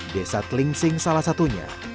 desa tlingsing salah satunya